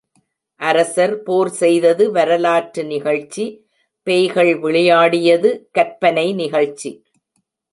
அரசர் போர் செய்தது வரலாற்று நிகழ்ச்சி, பேய்கள் விளையாடியது கற்பனை நிகழ்ச்சி.